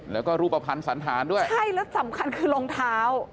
แล้วก็รูปภัณฑ์สันธารด้วยใช่แล้วสำคัญคือรองเท้า